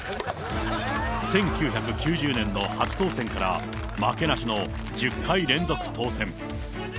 １９９０年の初当選から負けなしの１０回連続当選。